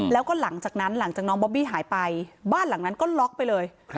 แล้วก็หลังจากนั้นหลังจากน้องบอบบี้หายไปบ้านหลังนั้นก็ล็อกไปเลย